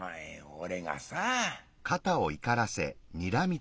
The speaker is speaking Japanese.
俺がさ」。